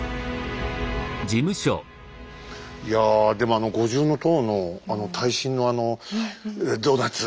いやでもあの五重塔の耐震のあのドーナツ。